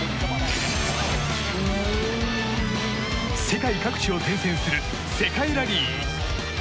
世界各地を転戦する世界ラリー。